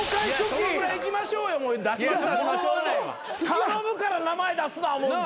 頼むから名前出すな思うてるで。